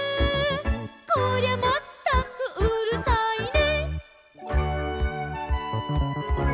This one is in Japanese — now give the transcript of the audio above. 「こりゃまったくうるさいね」